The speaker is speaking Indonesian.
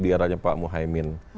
di eranya pak muhaymin